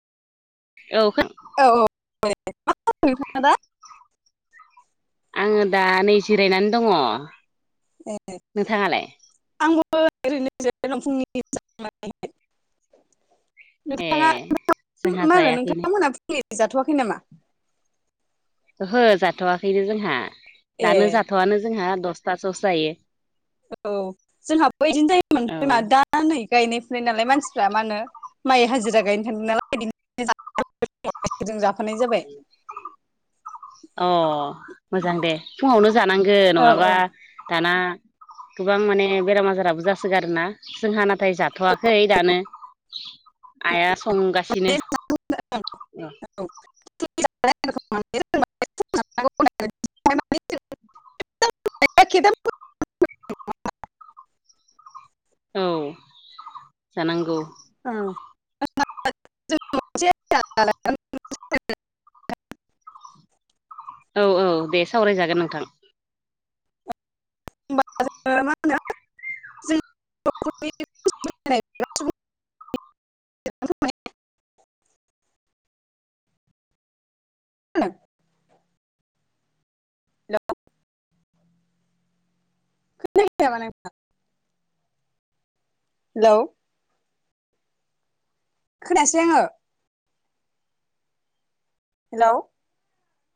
औ खोना औ औ मा नोंथाङा दा? आङो दा नै जिरायनानै दङ। ए नोंथाङालाय आंबो ओरैनो [unintelligible] फुंनि [unintelligible] ए नोंथाङा जोंहा जायाखैनो। एै जाथ'वाखै नामा? ओ हो जाथ'वाखैनो जोंहा ए दानो जाथ'आनो जोंहा दसथासोयावसो जायो। औ जोंहाबो बिदिनो औ जायोमोन [unintelligible] दा नै गायनाय फुनाय नालाय मानसिफ्रा मा होनो माइ हाजिरा गायनो थांदों नालाय [unintelligible] [inaudible] जों जाफानाय जाबाय अ मोजां दे फुङावनो जानांगो औ नङाबा औ दाना गोबां माने बेराम आजाराबो जासोगारोना जोंहा नाथाय जाथ'वाखै दानो। आइया संगासिनो माने [unintelligible] माने [inaudible] [unintelligible] औ जानांगौ। [unintelligible] औ औ दे सावरायजागोन नोंथां। होनबा जोङो मा होनो जों [unintelligible] [inaudible] फोरमान [unintelligible] हेलौ [unintelligible] हेल' खोनायासै आङो हेलौ